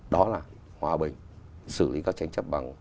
đó là hòa bình xử lý các tranh chấp bằng